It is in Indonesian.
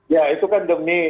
ya itu kan demi